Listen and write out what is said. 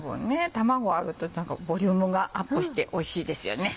卵あるとボリュームがアップしておいしいですよね。